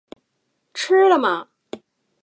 吃了吗